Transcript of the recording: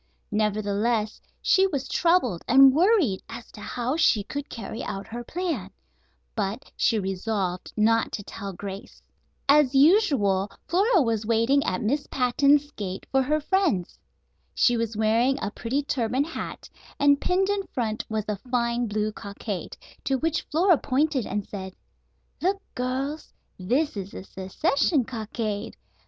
Nevertheless she was troubled and worried as to how she could carry out her plan; but she resolved not to tell Grace. As usual Flora was waiting at Miss Patten's gate for her friends. She was wearing a pretty turban hat, and pinned in front was a fine blue cockade, to which Flora pointed and said: "Look, girls. This is the Secession Cockade.